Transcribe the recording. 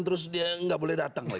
terus dia nggak boleh datang lagi